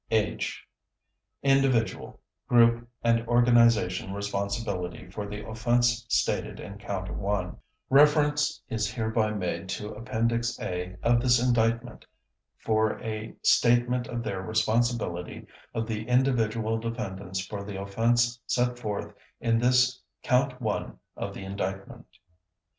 (H) INDIVIDUAL, GROUP AND ORGANIZATION RESPONSIBILITY FOR THE OFFENSE STATED IN COUNT ONE Reference is hereby made to Appendix A of this Indictment for a statement of the responsibility of the individual defendants for the offense set forth in this Count One of the indictment.